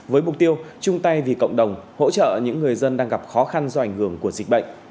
với mục tiêu chung tay vì cộng đồng hỗ trợ những người dân đang gặp khó khăn do ảnh hưởng của dịch bệnh